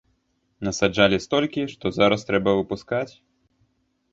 Насаджалі столькі, што зараз трэба выпускаць?